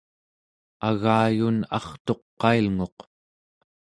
agayun artuqailnguq